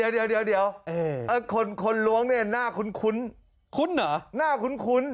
เดี๋ยวคนรวงเนี่ยหน้าคุ้น